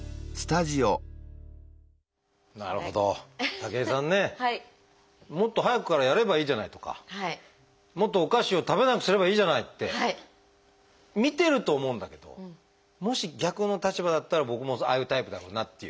武井さんねもっと早くからやればいいじゃないとかもっとお菓子を食べなくすればいいじゃないって見てると思うんだけどもし逆の立場だったら僕もああいうタイプだろうなっていう。